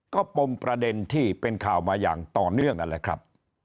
ก็ปมประเด็นที่เป็นข่าวมาอย่างต่อเนื่องนั่นแหละครับ